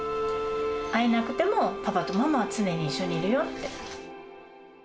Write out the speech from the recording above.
会えなくてもパパとママは常に一緒にいるよって。